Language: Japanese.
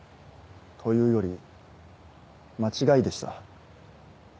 というより間違いでした。